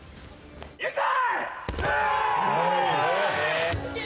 いくぞ！